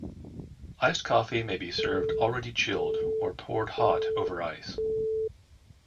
Iced coffee may be served already chilled, or poured hot over ice.